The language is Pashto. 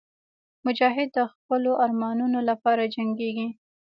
مجاهد د خپلو ارمانونو لپاره جنګېږي.